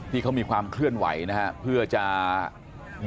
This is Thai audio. ที่เค้ามีความเคลื่อนไหวนะฮะเพื่อจะเดินทางไปยังศูนย์